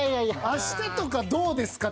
「明日とかどうですか？」